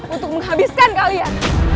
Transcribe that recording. untuk menghabiskan kalian